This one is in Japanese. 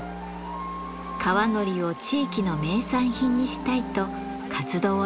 川海苔を地域の名産品にしたいと活動を続けてきました。